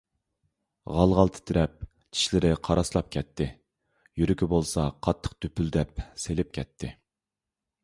غال - غال تىترەپ، چىشلىرى قاراسلاپ كەتتى، يۈرىكى بولسا قاتتىق دۈپۈلدەپ سېلىپ كەتتى.